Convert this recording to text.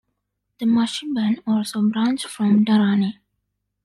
The Musahiban also branch from Durrani.